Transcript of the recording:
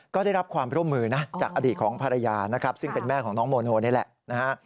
ก็ได้รับความร่วมมือนะจากอดีตของภรรยานะครับซึ่งเป็นแม่ของน้องโมโนนี่แหละนะฮะ